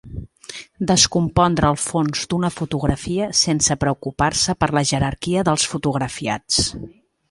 Descompondre el fons d'una fotografia sense preocupar-se per la jerarquia dels fotografiats.